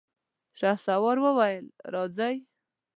شهسوار وويل: راځئ!